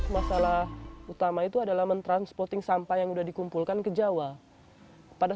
pertama adalah menerangkan sampah yang sudah dikumpulkan ke jawa